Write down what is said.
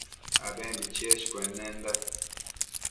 abembi cheshcuennenda